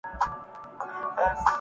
عظیم آدمی